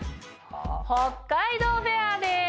北海道フェアです！